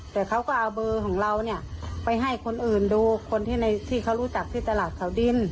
แต่เขาก็เอาเบอร์ของเราเนี่ยไปให้คนอื่นดูคนที่เขารู้จักที่ตลาดเขาดิน